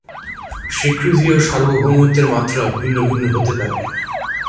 স্বীকৃতি ও সার্বভৌমত্বের মাত্রা ভিন্ন ভিন্ন হতে পারে।